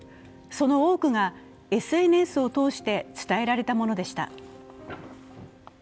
その多くがＳＮＳを通して伝えられたものでした。